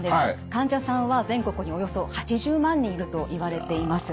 患者さんは全国におよそ８０万人いるといわれています。